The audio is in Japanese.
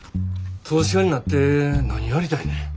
投資家になって何やりたいねん。